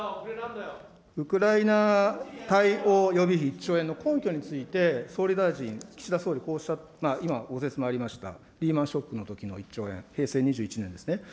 ウクライナ対応予備費、１兆円の根拠について総理大臣、岸田総理、こうおっしゃってる、今、ご説明ありました、リーマンショックのときの１兆円、平成２１年ですね。